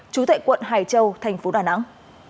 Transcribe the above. chú thệ quận hải châu thành phố đà nẵng